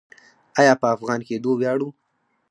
آیا په افغان کیدو ویاړو؟